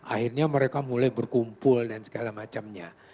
akhirnya mereka mulai berkumpul dan segala macamnya